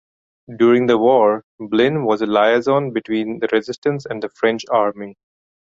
During the war, Blin was a liaison between the Resistance and the French Army.